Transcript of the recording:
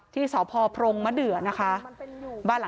ที่สพพรงมะเดือนะคะ